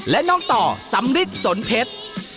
และน้องต่อสำริทสนเพชร